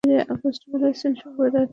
শুভ রাত্রি, অ্যালেক্স।